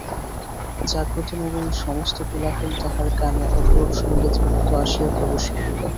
জাগ্রত নগরীর সমস্ত কোলাহল তাহার কানে অপরূপ সংগীতের মতো আসিয়া প্রবেশ করিল।